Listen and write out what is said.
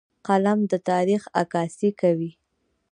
فلم د تاریخ عکاسي کوي